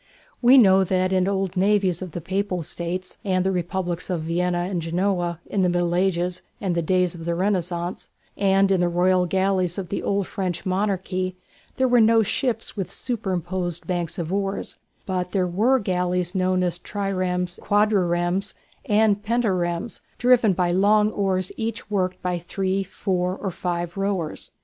We know that in the old navies of the Papal States and the Republics of Venice and Genoa in the Middle Ages and the days of the Renaissance, and in the royal galleys of the old French monarchy, there were no ships with superposed banks of oars, but there were galleys known as "triremes," "quadriremes," and "pentaremes," driven by long oars each worked by three, four, or five rowers.